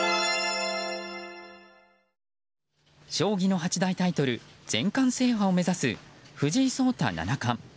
将棋の八大タイトル全冠制覇を目指す藤井聡太七冠。